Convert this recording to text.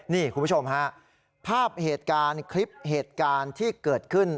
นี่คุณผู้ชมฮะภาพเหตุการณ์คลิปเหตุการณ์ที่เกิดขึ้น